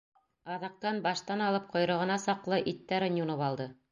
Аҙаҡтан баштан алып ҡойроғона саҡлы иттәрен юнып алды.